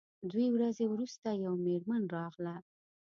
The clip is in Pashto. دوې ورځې وروسته یوه میرمن راغله.